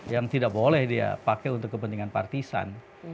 yang tidak boleh dia pakai untuk kepentingan partisan